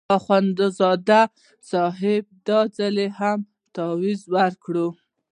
اخندزاده صاحب دا ځل هم تاویز ورکړ.